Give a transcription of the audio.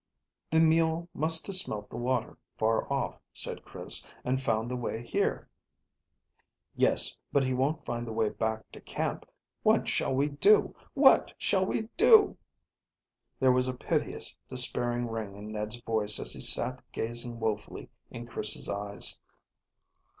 "The mule must have smelt the water far off," said Chris, "and found the way here." "Yes, but he won't find the way back to camp. What shall we do? What shall we do?" There was a piteous, despairing ring in Ned's voice as he sat gazing woefully in Chris's eyes.